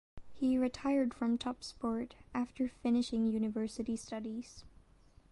He retired from top sport after finishing university studies.